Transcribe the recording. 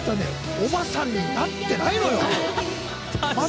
おばさんになってないのよ。